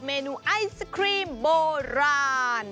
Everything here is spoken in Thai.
เมนูไอศครีมโบราณ